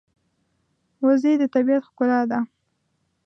وزې د طبیعت ښکلا ده